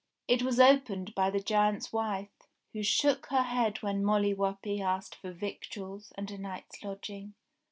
It was opened by the giant's wife, who shook her head when Molly Whuppie asked for victuals and a night's lodging.